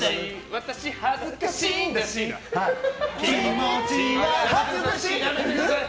私、恥ずかしいんだしだ。